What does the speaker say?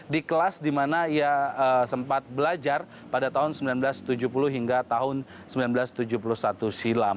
di kelas di mana ia sempat belajar pada tahun seribu sembilan ratus tujuh puluh hingga tahun seribu sembilan ratus tujuh puluh satu silam